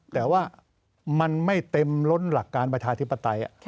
แต่ว่ามันไม่เต็มล้นหลักการประชาธิปไตย